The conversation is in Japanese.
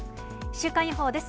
週間予報です。